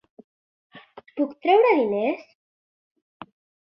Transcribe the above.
Puc treure diners?